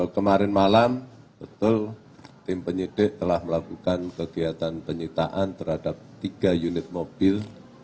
kemarin malam betul tim penyidik telah melakukan kegiatan penyitaan terhadap tiga unit mobil